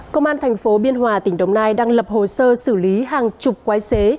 công an thành phố biên hòa tỉnh đồng nai đang lập hồ sơ xử lý hàng chục quái xế